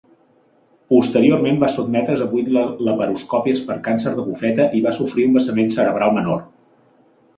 Posteriorment va sotmetre's a vuit laparoscòpies per càncer de bufeta i va sofrir un vessament cerebral menor.